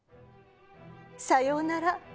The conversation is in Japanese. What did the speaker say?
さようなら。